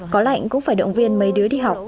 có lạnh cũng phải động viên mấy đứa đi học